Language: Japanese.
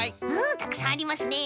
たくさんありますね。